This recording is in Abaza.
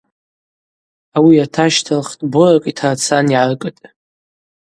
Ауи йатащталхтӏ, боракӏ йтарцан йгӏаркӏытӏ.